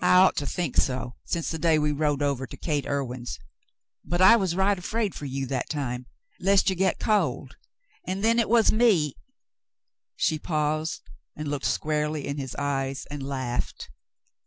"I ought to think so, since that day we rode over to Gate Irwin's, but I was right afraid for you that time, lest you get cold ; and then it was me —" she paused, and looked squarely in his eyes and laughed.